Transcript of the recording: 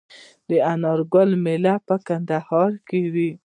د انار ګل میله په کندهار کې ده.